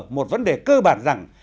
một vấn đề cơ bản rằng